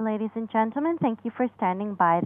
Ladies and gentlemen, thank you for standing by.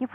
I'm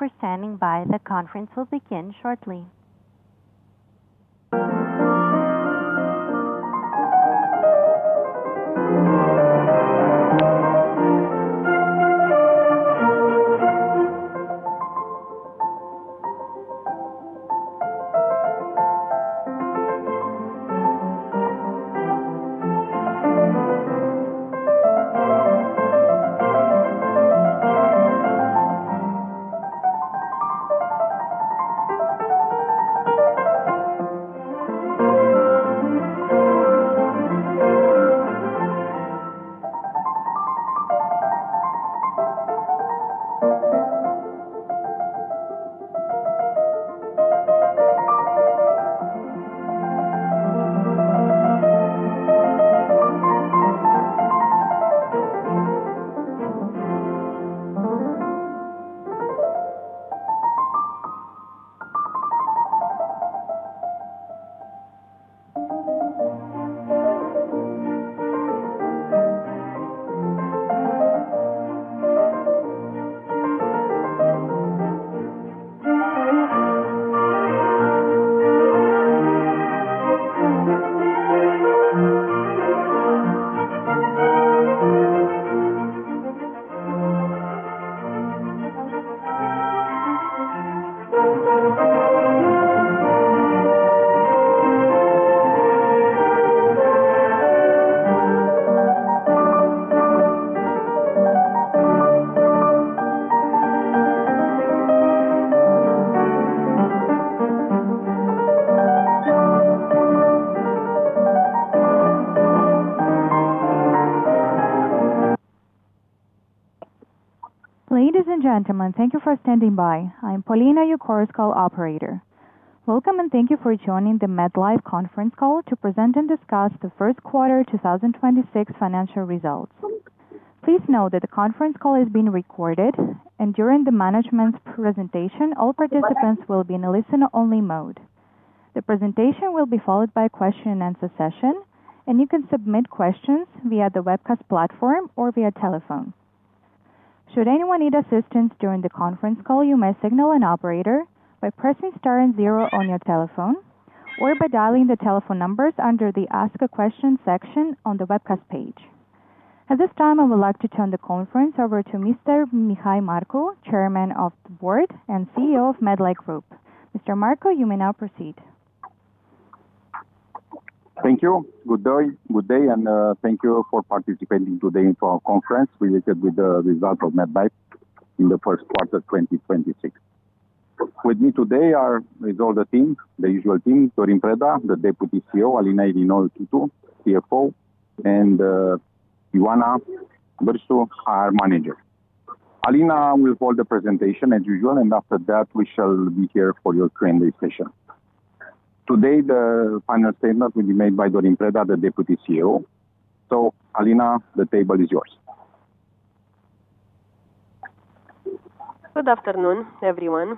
Paulina, your Chorus Call operator. Welcome and thank you for joining the MedLife conference call to present and discuss the first quarter 2026 financial results. Please note that the conference call is being recorded. During the management's presentation, all participants will be in a listen-only mode. The presentation will be followed by a question and answer session. You can submit questions via the webcast platform or via telephone. Should anyone need assistance during the conference call, you may signal an operator by pressing star and zero on your telephone or by dialing the telephone numbers under the Ask a Question section on the webcast page. At this time, I would like to turn the conference over to Mr. Mihai Marcu, Chairman of the Board and CEO of MedLife Group. Mr. Marcu, you may now proceed. Thank you. Good day, thank you for participating today in our conference related with the result of MedLife in the first quarter of 2026. With me today is all the team, the usual team, Dorin Preda, the Deputy CEO, Alina Irinoiu, CFO, Ioana Bîrsu, Investor Relations Manager. Alina will hold the presentation as usual, and after that, we shall be here for your Q&A session. Today, the final statement will be made by Dorin Preda, the Deputy CEO. Alina, the table is yours. Good afternoon, everyone.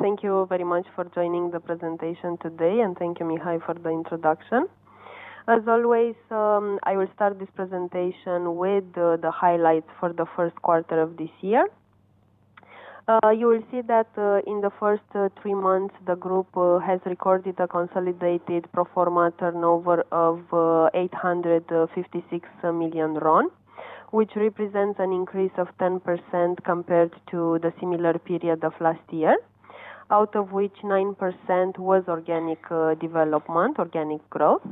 Thank you very much for joining the presentation today, and thank you, Mihai, for the introduction. As always, I will start this presentation with the highlights for the first quarter of this year. You will see that in the first three months, the group has recorded a consolidated pro forma turnover of RON 856 million, which represents an increase of 10% compared to the similar period of last year, out of which 9% was organic development, organic growth.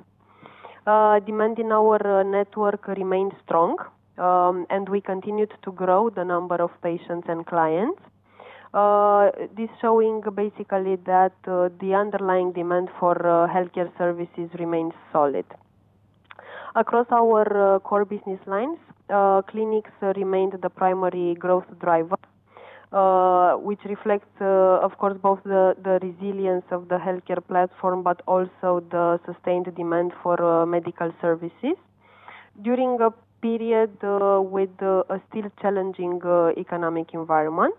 Demand in our network remained strong, and we continued to grow the number of patients and clients. This showing basically that the underlying demand for healthcare services remains solid. Across our core business lines, clinics remained the primary growth driver, which reflects, of course, both the resilience of the healthcare platform, but also the sustained demand for medical services during a period with a still challenging economic environment.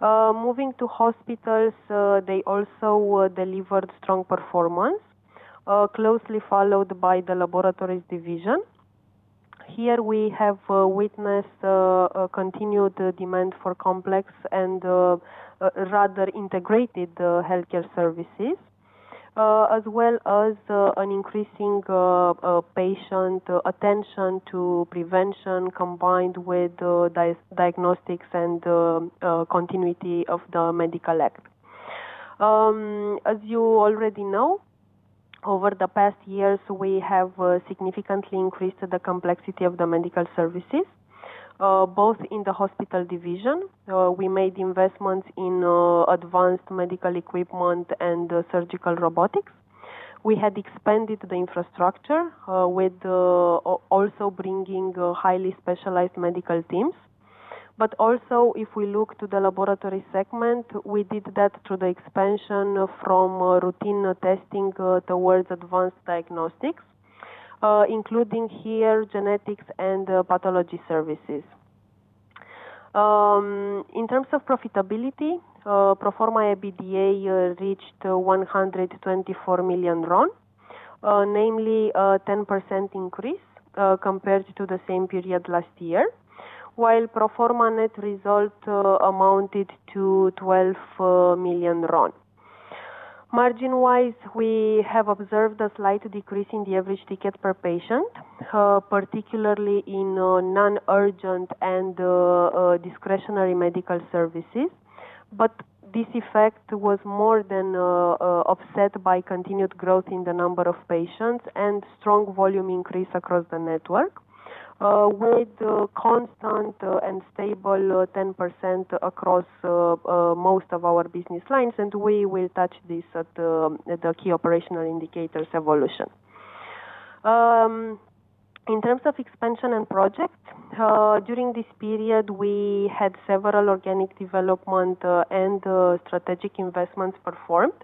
Moving to hospitals, they also delivered strong performance, closely followed by the laboratories division. Here we have witnessed a continued demand for complex and rather integrated healthcare services, as well as an increasing patient attention to prevention, combined with diagnostics and continuity of the medical act. As you already know, over the past years, we have significantly increased the complexity of the medical services both in the hospital division. We made investments in advanced medical equipment and surgical robotics. We had expanded the infrastructure with also bringing highly specialized medical teams. Also if we look to the laboratory segment, we did that through the expansion from routine testing towards advanced diagnostics, including here genetics and pathology services. In terms of profitability, pro forma EBITDA reached RON 124 million, namely 10% increase compared to the same period last year, while pro forma net result amounted to RON 12 million. Margin-wise, we have observed a slight decrease in the average ticket per patient, particularly in non-urgent and discretionary medical services. This effect was more than offset by continued growth in the number of patients and strong volume increase across the network, with constant and stable 10% across most of our business lines. We will touch this at the key operational indicators evolution. In terms of expansion and project, during this period, we had several organic development and strategic investments performed.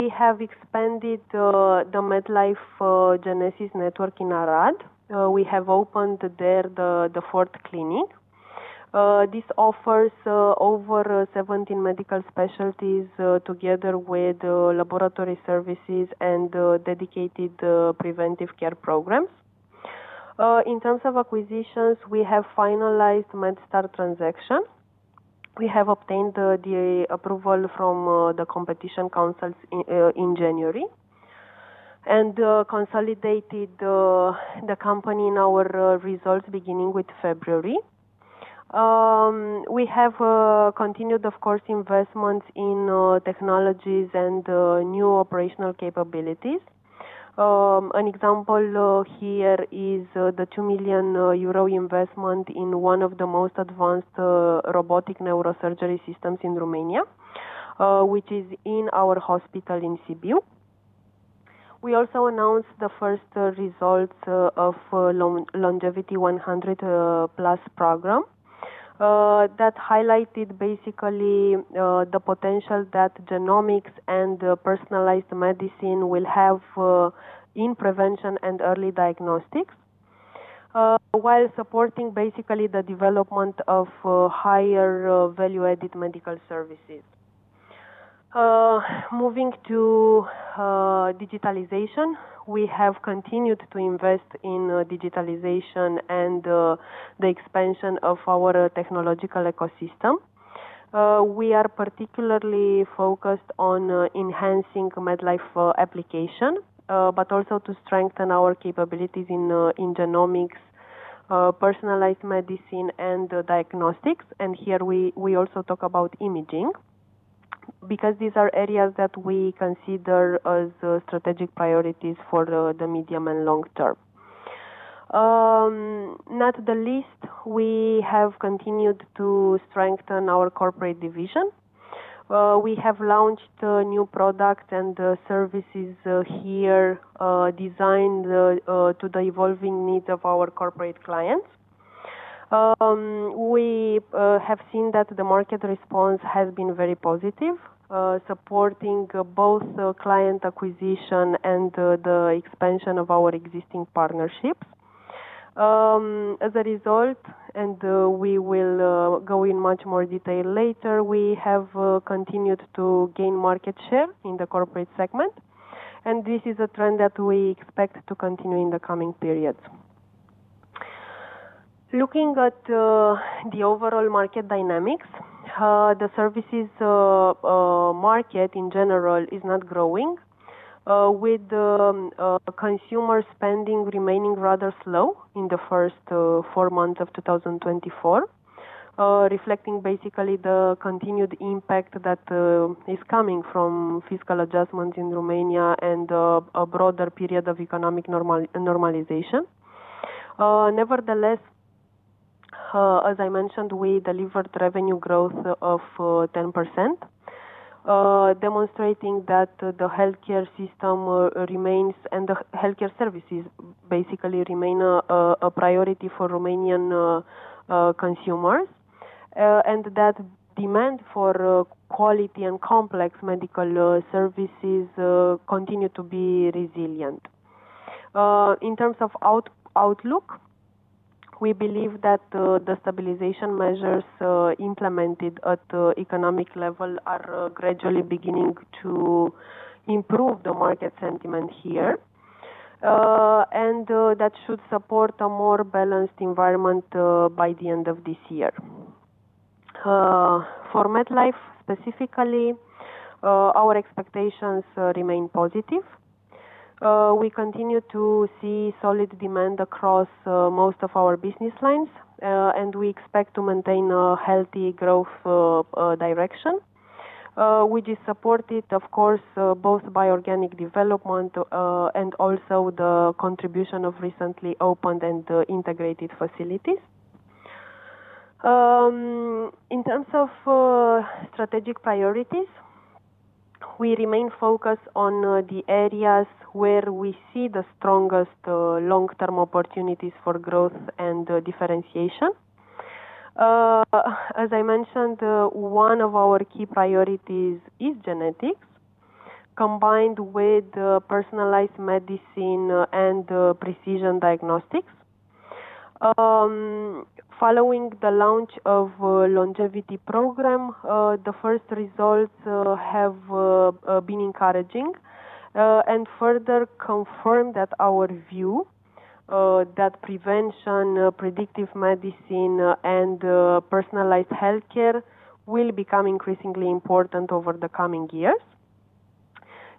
We have expanded the MedLife Genesys network in Arad. We have opened there the fourth clinic. This offers over 17 medical specialties together with laboratory services and dedicated preventive care programs. In terms of acquisitions, we have finalized Medstar transaction. We have obtained the approval from the Competition Councils in January and consolidated the company in our results beginning with February. We have continued, of course, investments in technologies and new operational capabilities. An example here is the 2 million euro investment in one of the most advanced robotic neurosurgery systems in Romania, which is in our hospital in Sibiu. We also announced the first results of Longevity 100 Plus program that highlighted basically the potential that genomics and personalized medicine will have in prevention and early diagnostics, while supporting basically the development of higher value-added medical services. Moving to digitalization. We have continued to invest in digitalization and the expansion of our technological ecosystem. We are particularly focused on enhancing MedLife application, but also to strengthen our capabilities in genomics, personalized medicine and diagnostics. Here we also talk about imaging because these are areas that we consider as strategic priorities for the medium and long term. Not the least, we have continued to strengthen our corporate division. We have launched new product and services here designed to the evolving needs of our corporate clients. We have seen that the market response has been very positive, supporting both the client acquisition and the expansion of our existing partnerships. As a result, we will go in much more detail later, we have continued to gain market share in the corporate segment, and this is a trend that we expect to continue in the coming periods. Looking at the overall market dynamics, the services market in general is not growing, with consumer spending remaining rather slow in the first four months of 2024, reflecting basically the continued impact that is coming from fiscal adjustments in Romania and a broader period of economic normalization. Nevertheless, as I mentioned, we delivered revenue growth of 10%, demonstrating that the healthcare system and the healthcare services basically remain a priority for Romanian consumers, and that demand for quality and complex medical services continue to be resilient. In terms of outlook, we believe that the stabilization measures implemented at the economic level are gradually beginning to improve the market sentiment here. That should support a more balanced environment by the end of this year. For MedLife, specifically, our expectations remain positive. We continue to see solid demand across most of our business lines, and we expect to maintain a healthy growth direction, which is supported, of course, both by organic development and also the contribution of recently opened and integrated facilities. In terms of strategic priorities, we remain focused on the areas where we see the strongest long-term opportunities for growth and differentiation. As I mentioned, one of our key priorities is genetics, combined with personalized medicine and precision diagnostics. Following the launch of longevity program, the first results have been encouraging and further confirm that our view that prevention, predictive medicine, and personalized healthcare will become increasingly important over the coming years.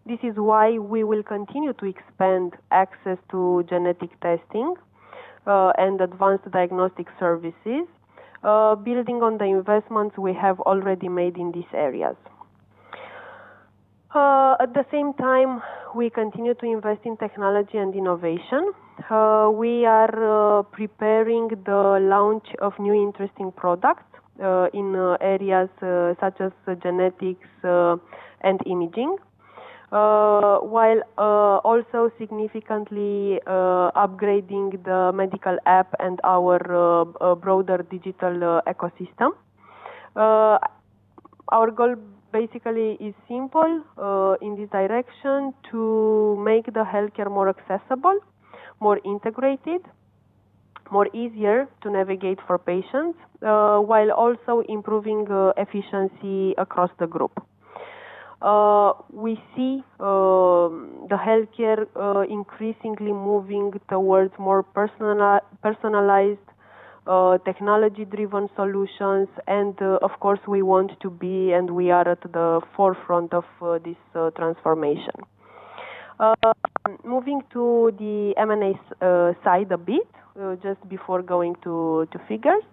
This is why we will continue to expand access to genetic testing and advanced diagnostic services, building on the investments we have already made in these areas. At the same time, we continue to invest in technology and innovation. We are preparing the launch of new interesting products in areas such as genetics and imaging, while also significantly upgrading the medical app and our broader digital ecosystem. Our goal basically is simple in this direction to make the healthcare more accessible, more integrated, more easier to navigate for patients, while also improving efficiency across the group. We see the healthcare increasingly moving towards more personalized technology-driven solutions, and of course, we want to be, and we are at the forefront of this transformation. Moving to the M&A side a bit, just before going to figures.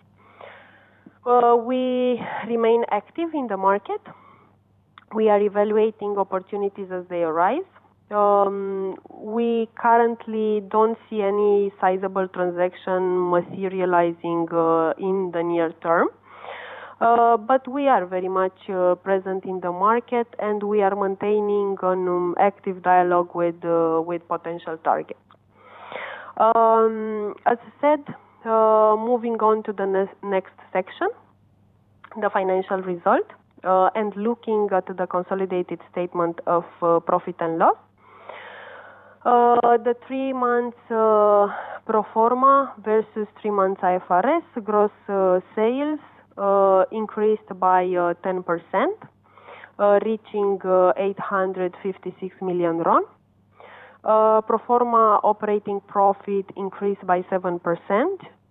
We remain active in the market. We are evaluating opportunities as they arise. We currently don't see any sizable transaction materializing in the near term. We are very much present in the market, and we are maintaining an active dialogue with potential targets. As I said, moving on to the next section, the financial result, and looking at the consolidated statement of profit and loss. The three months pro forma versus three months IFRS gross sales increased by 10%, reaching 856 million RON. Pro forma operating profit increased by 7%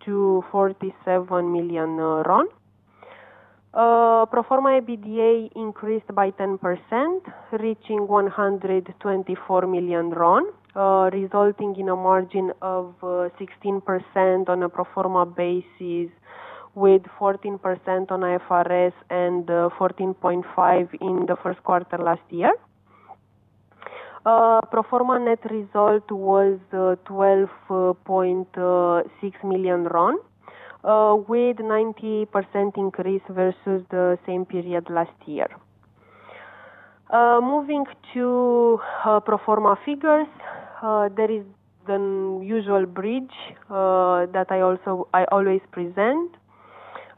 to RON 47 million. Pro forma EBITDA increased by 10%, reaching RON 124 million, resulting in a margin of 16% on a pro forma basis, with 14% on IFRS and 14.5% in the first quarter last year. Pro forma net result was RON 12.6 million, with 90% increase versus the same period last year. Moving to pro forma figures. There is the usual bridge that I always present.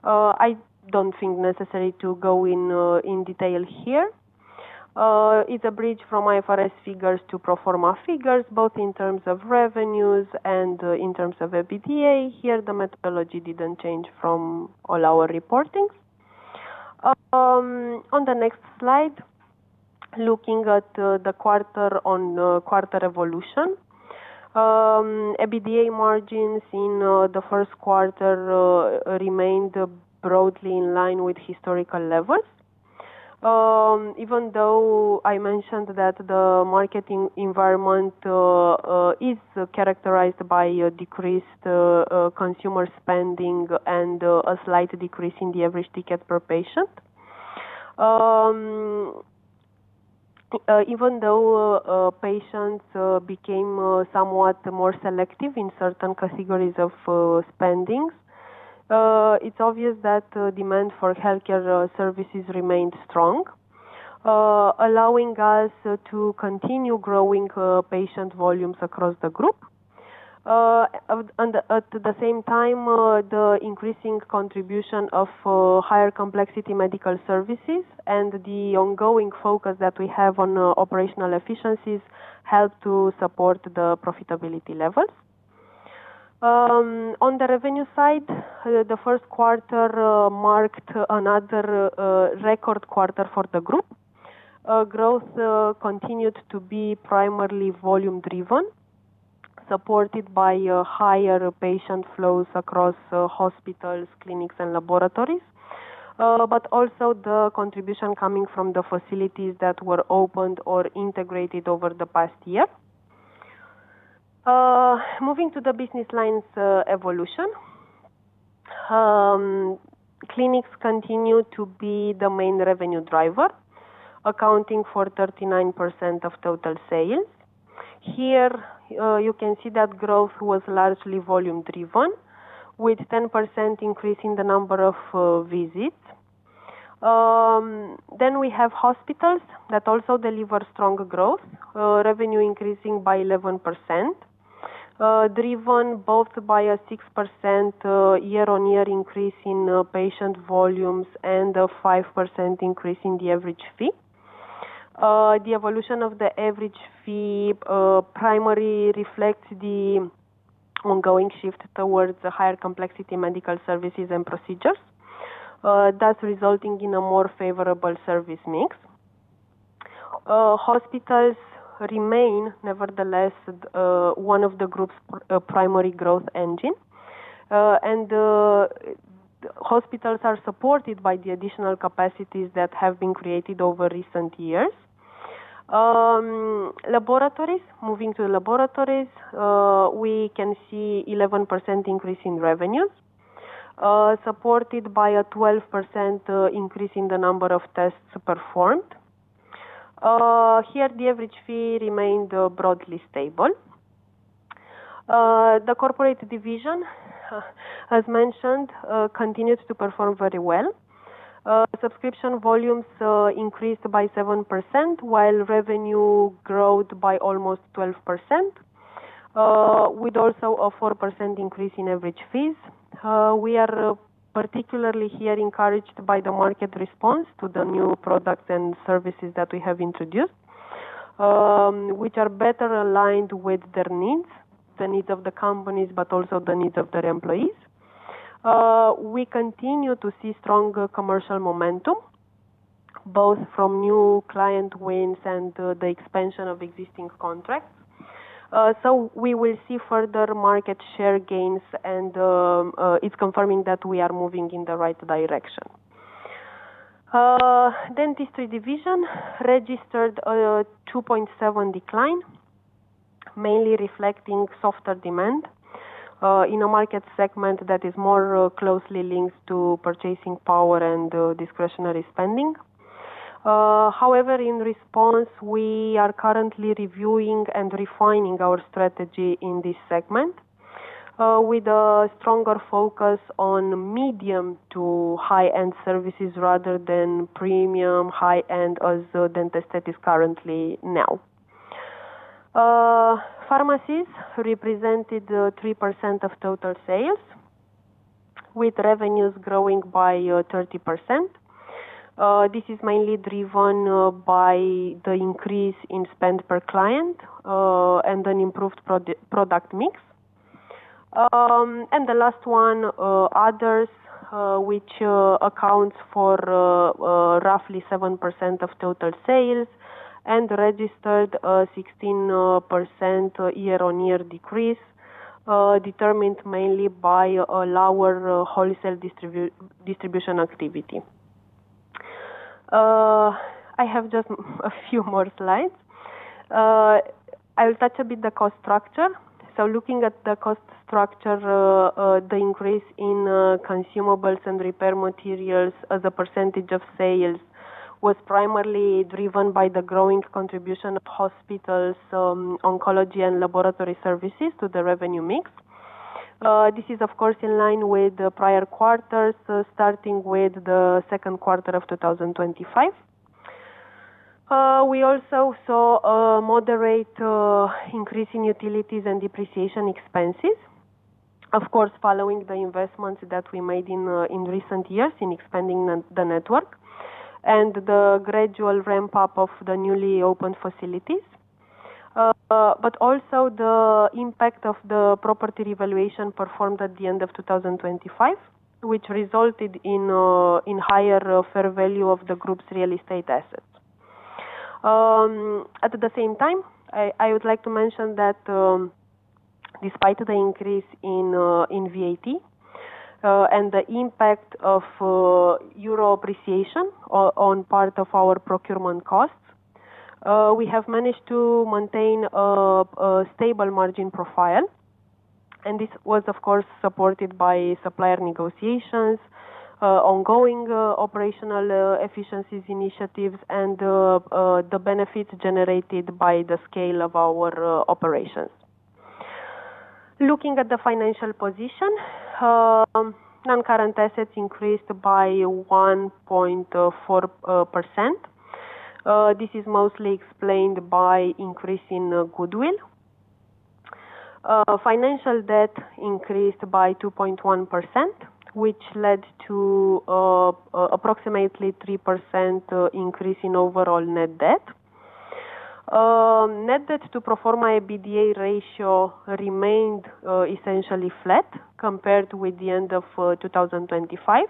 I don't think necessary to go in detail here. It's a bridge from IFRS figures to pro forma figures, both in terms of revenues and in terms of EBITDA. Here, the methodology didn't change from all our reportings. On the next slide, looking at the quarter-on-quarter evolution. EBITDA margins in the first quarter remained broadly in line with historical levels. Even though I mentioned that the marketing environment is characterized by a decreased consumer spending and a slight decrease in the average ticket per patient. Even though patients became somewhat more selective in certain categories of spendings, it's obvious that demand for healthcare services remained strong, allowing us to continue growing patient volumes across the group. At the same time, the increasing contribution of higher complexity medical services and the ongoing focus that we have on operational efficiencies help to support the profitability levels. On the revenue side, the first quarter marked another record quarter for the group. Growth continued to be primarily volume driven, supported by higher patient flows across hospitals, clinics, and laboratories. Also the contribution coming from the facilities that were opened or integrated over the past year. Moving to the business lines evolution. Clinics continue to be the main revenue driver, accounting for 39% of total sales. Here, you can see that growth was largely volume-driven, with 10% increase in the number of visits. We have hospitals that also deliver strong growth, revenue increasing by 11%, driven both by a 6% year-on-year increase in patient volumes and a 5% increase in the average fee. The evolution of the average fee primarily reflects the ongoing shift towards higher complexity medical services and procedures, thus resulting in a more favorable service mix. Hospitals remain, nevertheless, one of the group's primary growth engine, and hospitals are supported by the additional capacities that have been created over recent years. Laboratories. Moving to laboratories, we can see 11% increase in revenues, supported by a 12% increase in the number of tests performed. Here, the average fee remained broadly stable. The corporate division, as mentioned, continues to perform very well. Subscription volumes increased by 7%, while revenue growth by almost 12%, with also a 4% increase in average fees. We are particularly here encouraged by the market response to the new products and services that we have introduced, which are better aligned with their needs, the needs of the companies, but also the needs of their employees. We continue to see strong commercial momentum, both from new client wins and the expansion of existing contracts. We will see further market share gains and it's confirming that we are moving in the right direction. Dentistry division registered a 2.7 decline, mainly reflecting softer demand in a market segment that is more closely linked to purchasing power and discretionary spending. However, in response, we are currently reviewing and refining our strategy in this segment with a stronger focus on medium to high-end services rather than premium high-end as DENT ESTET is currently now. Pharmacies represented 3% of total sales, with revenues growing by 30%. This is mainly driven by the increase in spend per client and an improved product mix. The last one, others which accounts for roughly 7% of total sales and registered a 16% year-on-year decrease, determined mainly by a lower wholesale distribution activity. I have just a few more slides. I will touch a bit the cost structure. Looking at the cost structure, the increase in consumables and repair materials as a percentage of sales was primarily driven by the growing contribution of hospitals, oncology and laboratory services to the revenue mix. This is of course in line with the prior quarters, starting with the second quarter of 2025. We also saw a moderate increase in utilities and depreciation expenses. Of course, following the investments that we made in recent years in expanding the network and the gradual ramp-up of the newly opened facilities. Also the impact of the property revaluation performed at the end of 2025, which resulted in higher fair value of the group's real estate assets. At the same time, I would like to mention that despite the increase in VAT and the impact of euro appreciation on part of our procurement costs, we have managed to maintain a stable margin profile. This was of course supported by supplier negotiations, ongoing operational efficiencies initiatives, and the benefits generated by the scale of our operations. Looking at the financial position, non-current assets increased by 1.4%. This is mostly explained by increase in goodwill. Financial debt increased by 2.1%, which led to approximately 3% increase in overall net debt. Net debt to pro forma EBITDA ratio remained essentially flat compared with the end of 2025.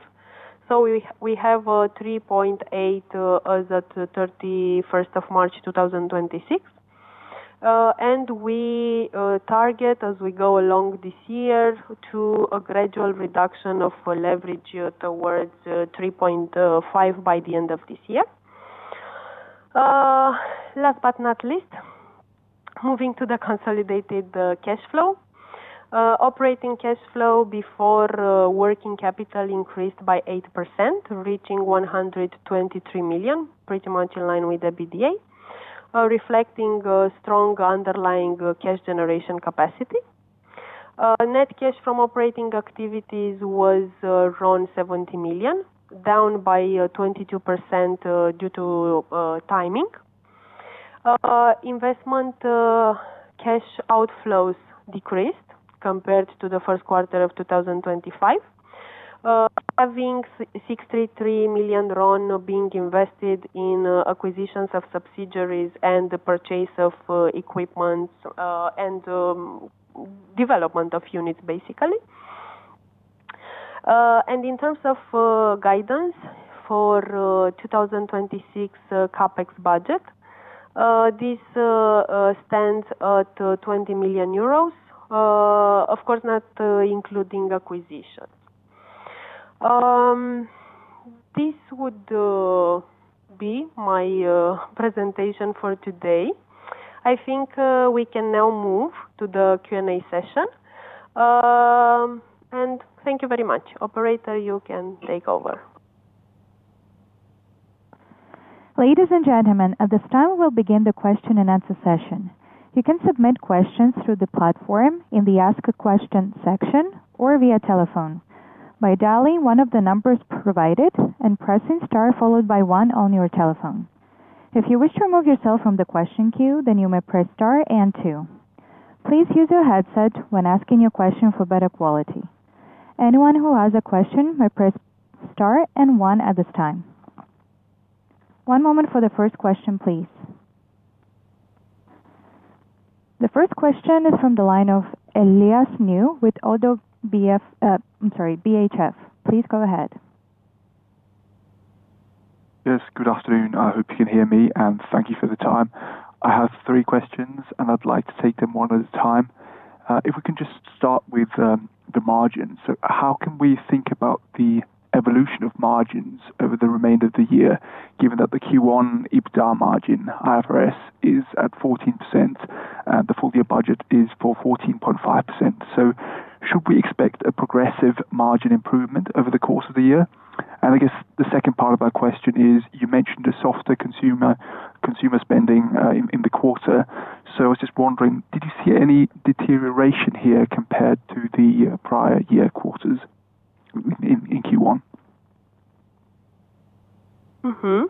We have 3.8 as at 31st of March 2026. We target, as we go along this year, to a gradual reduction of leverage towards 3.5 by the end of this year. Last but not least, moving to the consolidated cash flow. Operating cash flow before working capital increased by 8%, reaching RON 123 million, pretty much in line with EBITDA, reflecting strong underlying cash generation capacity. Net cash from operating activities was RON 70 million, down by 22% due to timing. Investment cash outflows decreased compared to the first quarter of 2025. Having RON 63 million being invested in acquisitions of subsidiaries and the purchase of equipment, and development of units, basically. In terms of guidance for 2026 CapEx budget, this stands at 20 million euros, of course not including acquisitions. This would be my presentation for today. I think we can now move to the Q&A session. Thank you very much. Operator, you can take over. Ladies and gentlemen, at this time, we'll begin the question-and-answer session. You can submit questions through the platform in the Ask a Question section or via telephone by dialing one of the numbers provided and pressing star followed by one on your telephone. If you wish to remove yourself from the question queue, you may press star and two. Please use your headset when asking your question for better quality. Anyone who has a question may press star and one at this time. One moment for the first question, please. The first question is from the line of Elias New with ODDO BHF. Please go ahead. Yes, good afternoon. I hope you can hear me, and thank you for the time. I have three questions, and I'd like to take them one at a time. If we can just start with the margins. How can we think about the evolution of margins over the remainder of the year, given that the Q1 EBITDA margin, IFRS, is at 14% and the full-year budget is for 14.5%? Should we expect a progressive margin improvement over the course of the year? I guess the second part of our question is, you mentioned a softer consumer spending in the quarter. I was just wondering, did you see any deterioration here compared to the prior year quarters in Q1? Mm-hmm.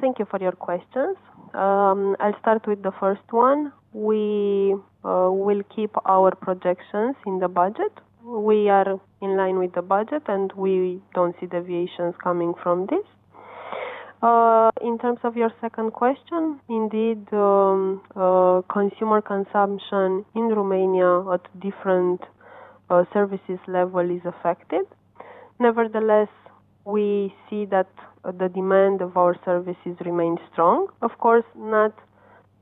Thank you for your questions. I'll start with the first one. We will keep our projections in the budget. We are in line with the budget, and we don't see deviations coming from this. In terms of your second question, indeed, consumer consumption in Romania at different services level is affected. Nevertheless, we see that the demand of our services remains strong. Of course, not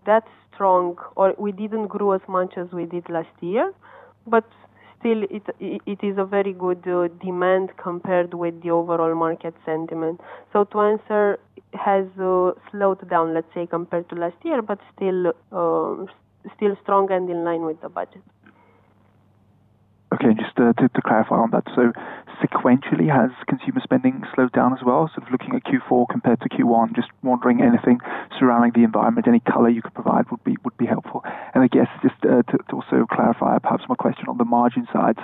that strong, or we didn't grow as much as we did last year, but still it is a very good demand compared with the overall market sentiment. To answer, it has slowed down, let's say, compared to last year, but still strong and in line with the budget. Okay. Just to clarify on that. Sequentially, has consumer spending slowed down as well? Sort of looking at Q4 compared to Q1, just wondering anything surrounding the environment, any color you could provide would be helpful. I guess, just to also clarify, perhaps my question on the margin side.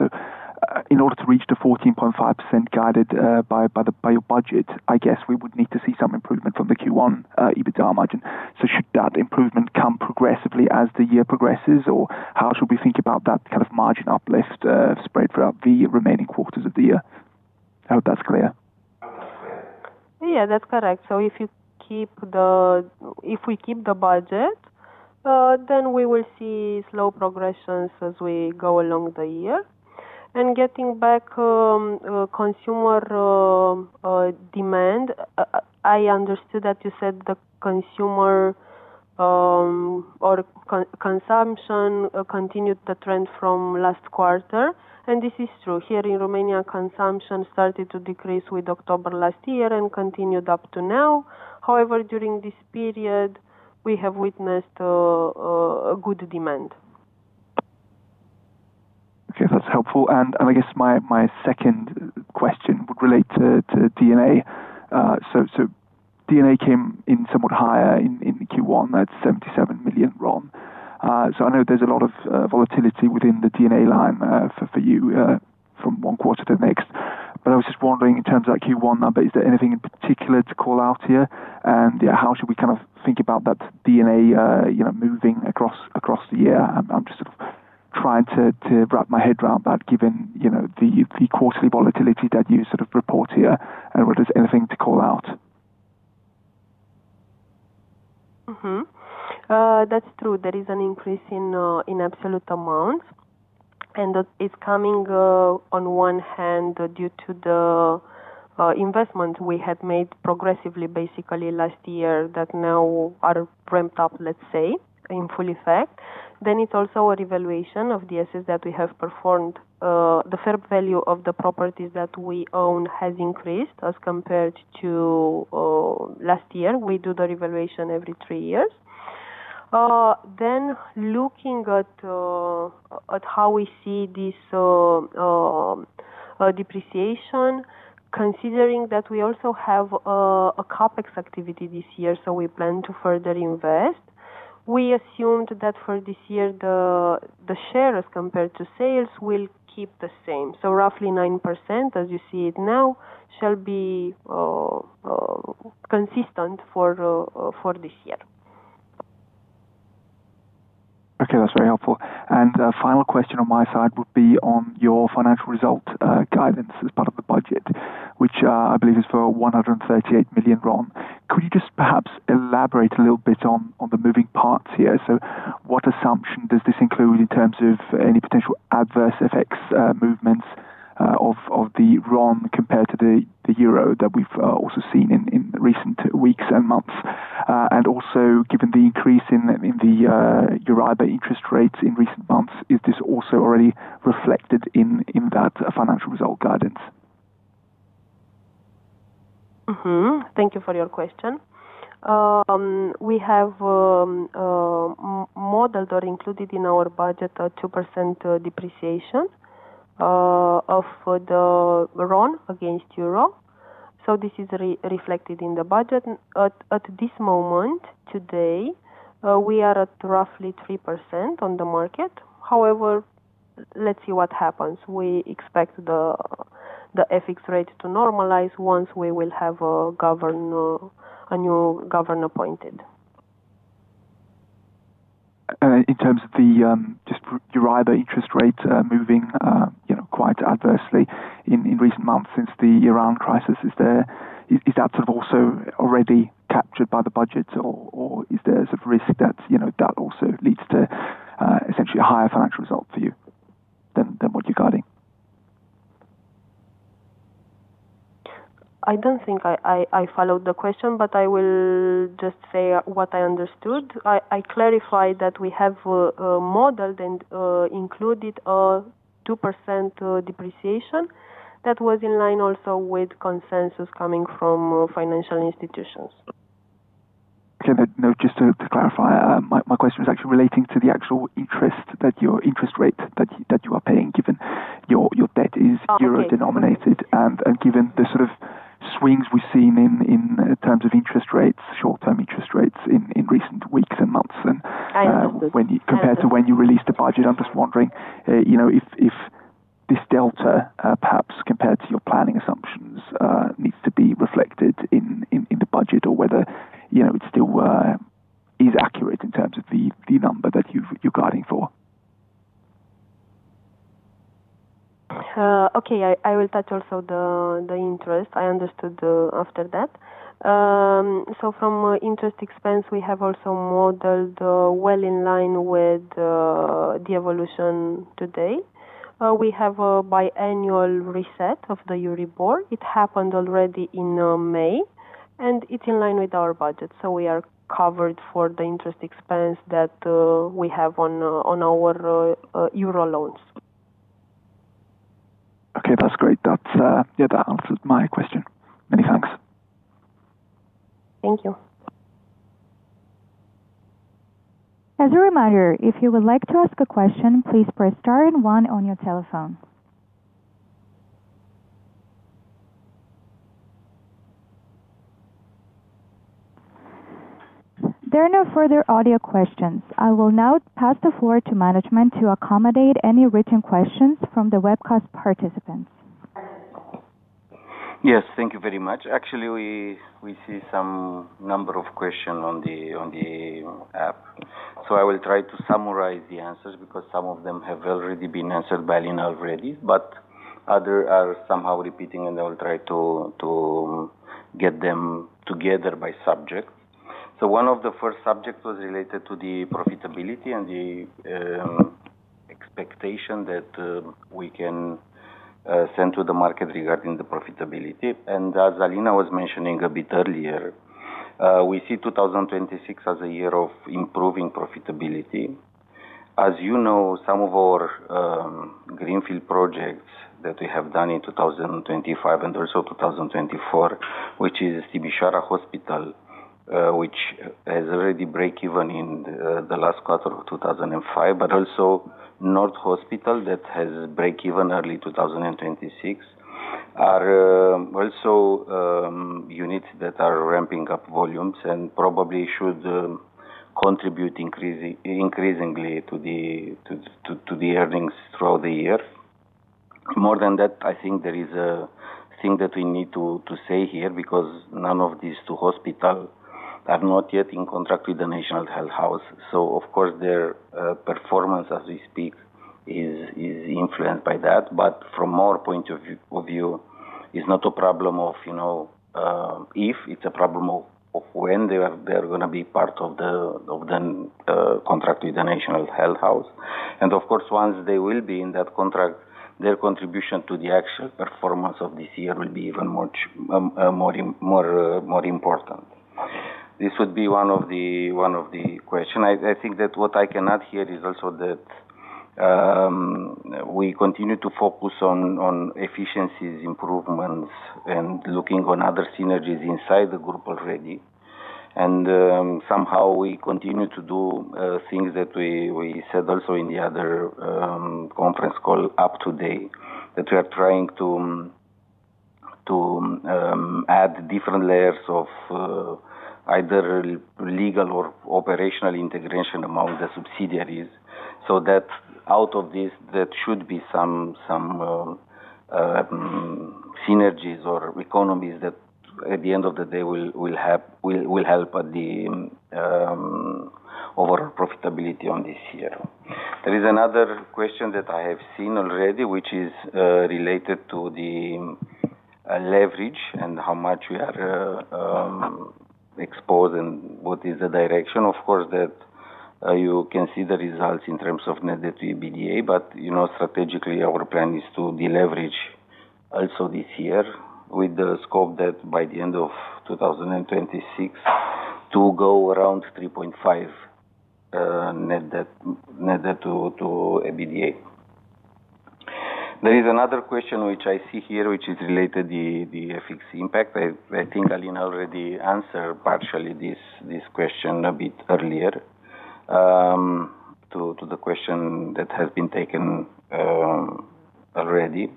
In order to reach the 14.5% guided by your budget, I guess we would need to see some improvement from the Q1 EBITDA margin. Should that improvement come progressively as the year progresses, or how should we think about that kind of margin uplift spread throughout the remaining quarters of the year? I hope that's clear. Yeah, that's correct. If we keep the budget, then we will see slow progressions as we go along the year. Getting back consumer demand, I understood that you said the consumer or consumption continued the trend from last quarter, and this is true. Here in Romania, consumption started to decrease with October last year and continued up to now. However, during this period, we have witnessed a good demand. Okay, that's helpful. I guess my second question would relate to D&A. D&A came in somewhat higher in Q1 at RON 77 million. I know there's a lot of volatility within the D&A line for you from one quarter to the next. I was just wondering in terms of that Q1 number, is there anything in particular to call out here? Yeah, how should we think about that D&A moving across the year? I'm just sort of trying to wrap my head around that given the quarterly volatility that you sort of report here, and whether there's anything to call out. Mm-hmm. That's true. There is an increase in absolute amount, that is coming on one hand due to the investment we had made progressively, basically last year that now are ramped up, let's say, in full effect. It's also a revaluation of the assets that we have performed. The fair value of the properties that we own has increased as compared to last year. We do the revaluation every three years. Looking at how we see this depreciation, considering that we also have a CapEx activity this year, we plan to further invest. We assumed that for this year, the share as compared to sales will keep the same. Roughly 9%, as you see it now, shall be consistent for this year. Okay, that's very helpful. Final question on my side would be on your financial result guidance as part of the budget, which I believe is for RON 138 million. Could you just perhaps elaborate a little bit on the moving parts here? What assumption does this include in terms of any potential adverse effects, movements of the RON compared to the euro that we've also seen in recent weeks and months? Also given the increase in the EURIBOR interest rates in recent months, is this also already reflected in that financial result guidance? Thank you for your question. We have modeled or included in our budget a 2% depreciation of the RON against EUR. This is reflected in the budget. At this moment, today, we are at roughly 3% on the market. However, let's see what happens. We expect the FX rate to normalize once we will have a new governor appointed. In terms of the just EURIBOR interest rate moving quite adversely in recent months since the Iran crisis, is that sort of also already captured by the budget? Is there a risk that also leads to essentially a higher financial result for you than what you're guiding? I don't think I followed the question, but I will just say what I understood. I clarified that we have modeled and included a 2% depreciation that was in line also with consensus coming from financial institutions. Okay. No, just to clarify, my question was actually relating to the actual interest that your interest rate that you are paying given your debt is euro denominated. Oh, okay. Given the sort of swings we've seen in terms of interest rates, short-term interest rates in recent weeks and months. I understood. compared to when you released the budget. I'm just wondering, if this delta, perhaps compared to your planning assumptions, needs to be reflected in the budget or whether it still is accurate in terms of the number that you're guiding for. Okay, I will touch also the interest. I understood after that. From interest expense, we have also modeled well in line with the evolution today. We have a biannual reset of the EURIBOR. It happened already in May, and it's in line with our budget. We are covered for the interest expense that we have on our euro loans. Okay, that's great. That answered my question. Many thanks. Thank you. As a reminder, if you would like to ask a question, please press star and one on your telephone. There are no further audio questions. I will now pass the floor to management to accommodate any written questions from the webcast participants. Yes, thank you very much. We see some number of questions on the app. I will try to summarize the answers, because some of them have already been answered by Alina already, but others are somehow repeating, and I will try to get them together by subject. One of the first subjects was related to the profitability and the expectation that we can send to the market regarding the profitability. As Alina was mentioning a bit earlier, we see 2026 as a year of improving profitability. As you know, some of our greenfield projects that we have done in 2025 and also 2024, which is Sibiu Hospital, which has already break even in the last quarter of 2005, but also Nord Hospital that has break even early 2026, are also units that are ramping up volumes and probably should contribute increasingly to the earnings throughout the year. More than that, I think there is a thing that we need to say here, because none of these two hospitals are not yet in contract with the National Health Insurance House. Of course, their performance as we speak is influenced by that. From our point of view, it's not a problem of if, it's a problem of when they are going to be part of the contract with the National Health Insurance House. Of course, once they will be in that contract, their contribution to the actual performance of this year will be even more important. This would be one of the questions. I think that what I can add here is also that we continue to focus on efficiencies, improvements, and looking on other synergies inside the group already. Somehow we continue to do things that we said also in the other conference call up to date, that we are trying to add different layers of either legal or operational integration among the subsidiaries, so that out of this, there should be some synergies or economies that at the end of the day will help at the overall profitability on this year. There is another question that I have seen already, which is related to the leverage and how much we are exposed and what is the direction. Of course, that you can see the results in terms of net debt to EBITDA, but strategically our plan is to deleverage also this year with the scope that by the end of 2026 to go around 3.5 net debt to EBITDA. There is another question which I see here, which is related the FX impact. I think Alina already answered partially this question a bit earlier, to the question that has been taken already.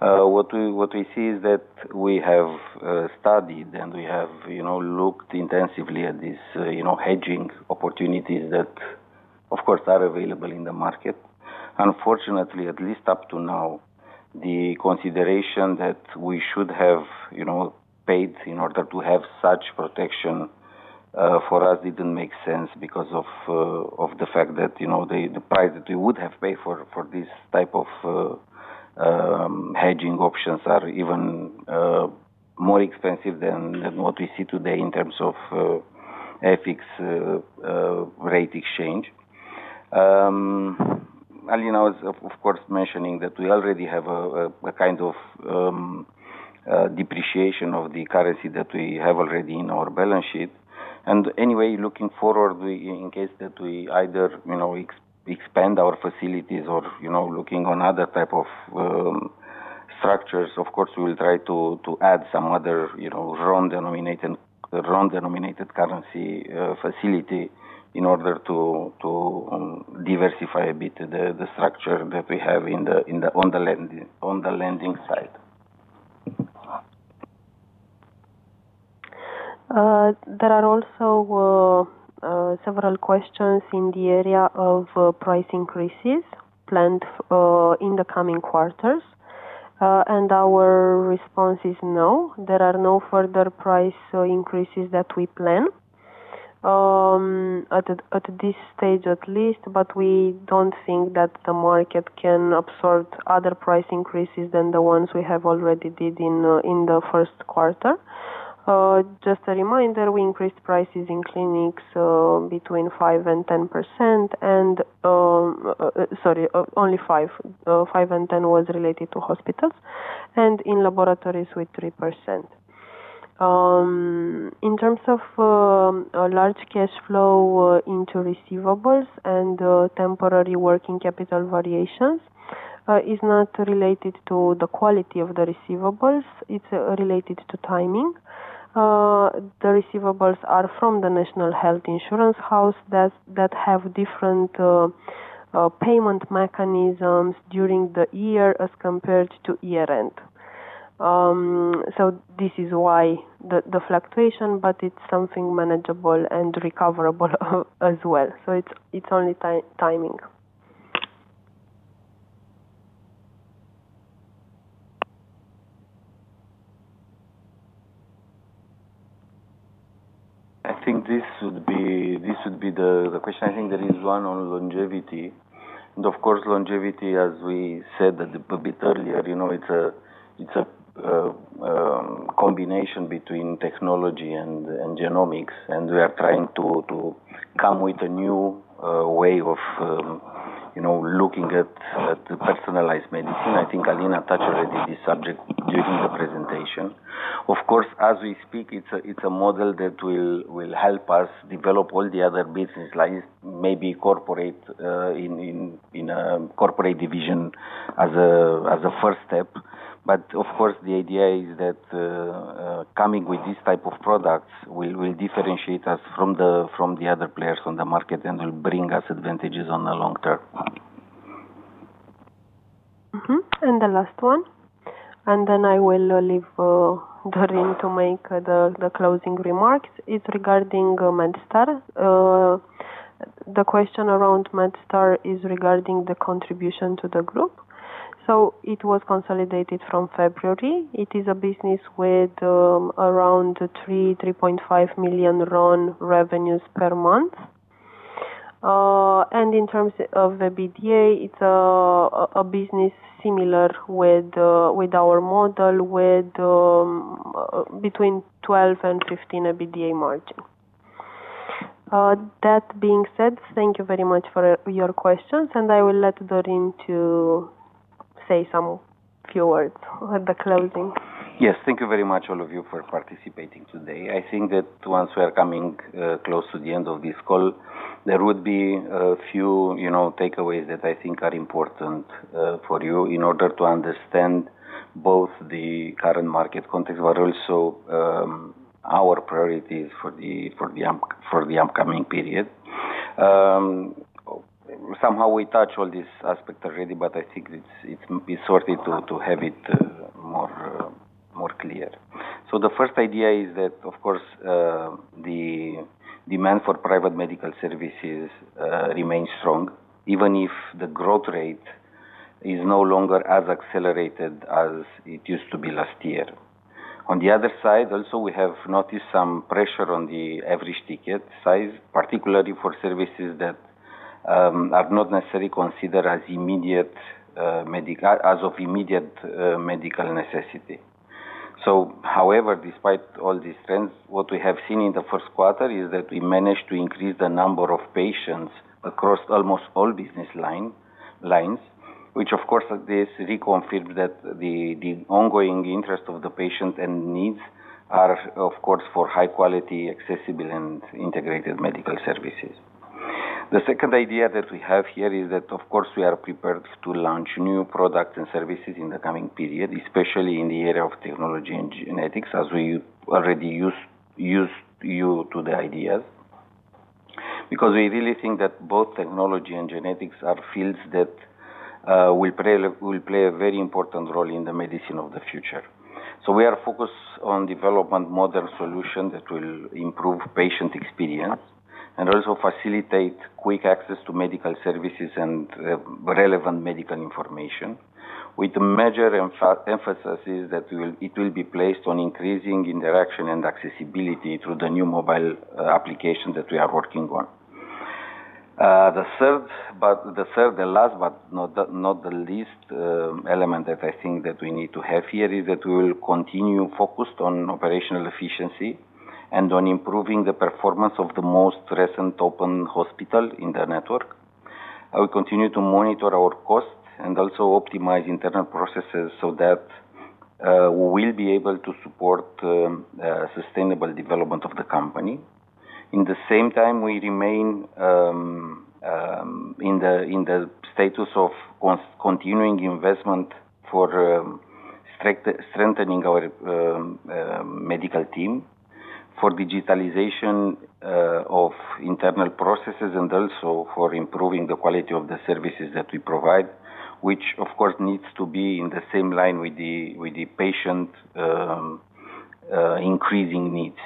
What we see is that we have studied and we have looked intensively at these hedging opportunities that, of course, are available in the market. Unfortunately, at least up to now, the consideration that we should have paid in order to have such protection for us didn't make sense because of the fact that the price that we would have paid for this type of hedging options are even more expensive than what we see today in terms of FX rate exchange. Alina was, of course, mentioning that we already have a kind of depreciation of the currency that we have already in our balance sheet. Anyway, looking forward in case that we either expand our facilities or looking on other type of structures, of course, we will try to add some other RON-denominated currency facility in order to diversify a bit the structure that we have on the lending side. There are also several questions in the area of price increases planned in the coming quarters. Our response is no. There are no further price increases that we plan at this stage, at least, but we don't think that the market can absorb other price increases than the ones we have already did in the first quarter. Just a reminder, we increased prices in clinics between 5% and 10%, and, sorry, only five. Five and 10 was related to hospitals, and in laboratories with 3%. In terms of large cash flow into receivables and temporary working capital variations. It's not related to the quality of the receivables, it's related to timing. The receivables are from the National Health Insurance House that have different payment mechanisms during the year as compared to year-end. This is why the fluctuation, but it's something manageable and recoverable as well. It's only timing. I think this would be the question. I think there is one on longevity. Of course, longevity, as we said a bit earlier, it's a combination between technology and genomics, and we are trying to come with a new way of looking at personalized medicine. I think Alina touched already this subject during the presentation. Of course, as we speak, it's a model that will help us develop all the other business lines, maybe in a corporate division as a first step. Of course, the idea is that coming with these type of products will differentiate us from the other players on the market and will bring us advantages on the long-term. Mm-hmm. The last one, and then I will leave Dorin to make the closing remarks. It's regarding Medstar. The question around Medstar is regarding the contribution to the group. It was consolidated from February. It is a business with around RON 3.5 million revenues per month. In terms of the EBITDA, it's a business similar with our model, between 12% and 15% EBITDA margin. That being said, thank you very much for your questions, and I will let Dorin to say some few words at the closing. Yes. Thank you very much all of you for participating today. I think that once we are coming close to the end of this call, there would be a few takeaways that I think are important for you in order to understand both the current market context, but also our priorities for the upcoming period. Somehow we touched on this aspect already, but I think it would be sorted to have it more clear. The first idea is that, of course, the demand for private medical services remains strong, even if the growth rate is no longer as accelerated as it used to be last year. On the other side, also, we have noticed some pressure on the average ticket size, particularly for services that are not necessarily considered as of immediate medical necessity. However, despite all these trends, what we have seen in the first quarter is that we managed to increase the number of patients across almost all business lines, which, of course, this reconfirms that the ongoing interest of the patients and needs are, of course, for high quality, accessible, and integrated medical services. The second idea that we have here is that, of course, we are prepared to launch new products and services in the coming period, especially in the area of technology and genomics, as we already introduced you to the ideas. We really think that both technology and genomics are fields that will play a very important role in the medicine of the future. We are focused on development model solution that will improve patient experience and also facilitate quick access to medical services and relevant medical information. With major emphasis is that it will be placed on increasing interaction and accessibility through the new mobile application that we are working on. The third, the last but not the least element that I think that we need to have here is that we will continue focused on operational efficiency and on improving the performance of the most recent open hospital in the network. I will continue to monitor our costs and also optimize internal processes so that we'll be able to support sustainable development of the company. In the same time, we remain in the status of continuing investment for strengthening our medical team, for digitalization of internal processes, and also for improving the quality of the services that we provide, which, of course, needs to be in the same line with the patient increasing needs.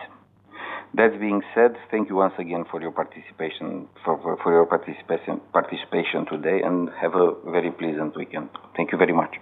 That being said, thank you once again for your participation today, and have a very pleasant weekend. Thank you very much.